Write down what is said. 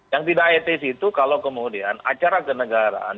yang tidak etis itu kalau kemudian acara kenegaraan